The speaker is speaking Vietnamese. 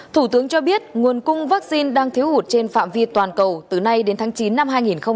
thủ tướng cho biết nguồn cung vaccine đang thiếu hụt trên phạm vi toàn cầu từ nay đến tháng chín năm hai nghìn hai mươi